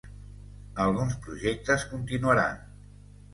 Alguns projectes continuaran.